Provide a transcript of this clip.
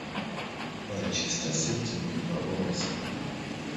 manchester city imekua bora sana ulaya